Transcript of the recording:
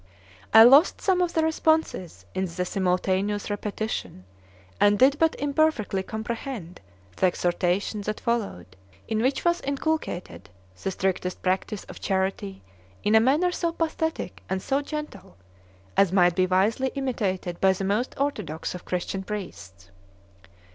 I lost some of the responses in the simultaneous repetition, and did but imperfectly comprehend the exhortation that followed, in which was inculcated the strictest practice of charity in a manner so pathetic and so gentle as might be wisely imitated by the most orthodox of Christian priests.